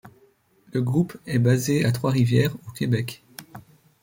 Le groupe est basé à Trois-Rivières, au Québec.